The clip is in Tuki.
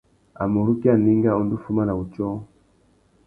A mà urukia anénga, u ndú fuma na wutiō.